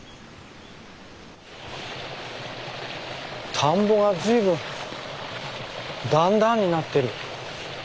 田んぼが随分段々になってる。